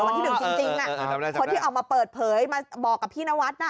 คนที่หนึ่งจริงน่ะคนที่ออกมาเปิดเผยมาบอกกับพี่นวัสน์น่ะ